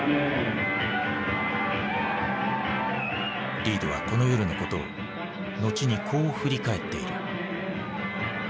リードはこの夜のことを後にこう振り返っている。